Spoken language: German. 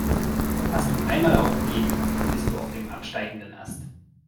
Hast du einmal aufgegeben, dann bist du auf dem absteigenden Ast.